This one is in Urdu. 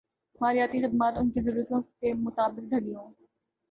مالیاتی خدمات ان کی ضرورتوں کے مطابق ڈھلی ہوں